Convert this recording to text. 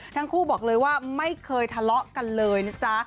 ทั้งคู่บอกเลยว่าไม่เคยทะเลาะกันเลยนะจ๊ะ